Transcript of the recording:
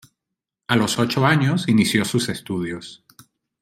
A los ocho años inició sus estudios.